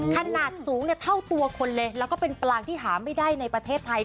ขนาดสูงเท่าตัวคนเลยแล้วก็เป็นปลางที่หาไม่ได้ในประเทศไทย